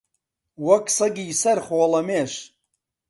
وەک سەگی سەر خۆڵەمێش